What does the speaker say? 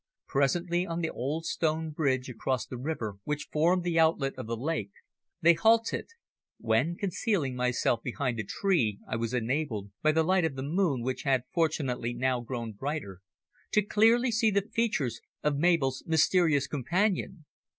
Presently, on the old stone bridge across the river which formed the outlet of the lake, they halted, when, concealing myself behind a tree, I was enabled, by the light of the moon which had fortunately now grown brighter, to clearly see the features of Mabel's mysterious companion.